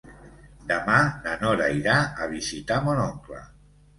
Demà na Nora irà a visitar mon oncle.